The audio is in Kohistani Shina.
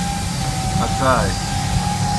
اکائے۔